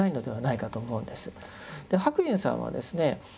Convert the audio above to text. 白隠さんはですね